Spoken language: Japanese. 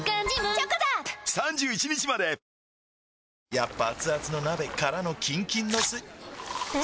やっぱアツアツの鍋からのキンキンのスん？